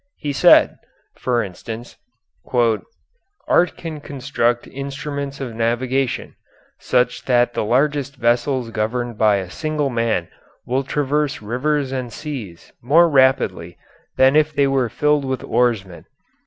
He said, for instance: Art can construct instruments of navigation, such that the largest vessels governed by a single man will traverse rivers and seas more rapidly than if they were filled with oarsmen.